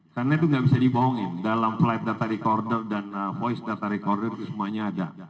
karena itu tidak bisa dibohongin dalam flight data recorder dan voice data recorder itu semuanya ada